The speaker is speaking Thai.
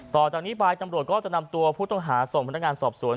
ต่อจากนี้ไปตำรวจก็จะนำตัวผู้ต้องหาส่งพนักงานสอบสวน